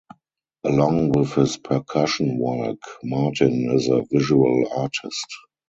Along with his percussion work, Martin is a visual artist.